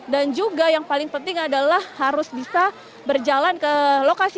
dan juga yang paling penting adalah untuk menempatkan bus yang bisa mencapai ke titik titik wisata